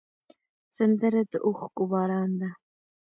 سندره د اوښکو باران ده